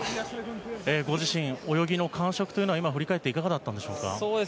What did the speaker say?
ご自身、泳ぎの感触というのは今、振り返っていかがでしょうか。